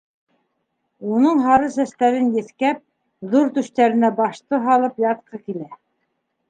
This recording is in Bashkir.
Уның һары сәстәрен еҫкәп, ҙур түштәренә башты һалып ятҡы килә.